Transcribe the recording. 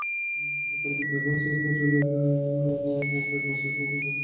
তারাবির নামাজের ফজিলতরমজান মাসের সওগাত লাভের জন্য বিশেষ ইবাদত হলো তারাবির নামাজ।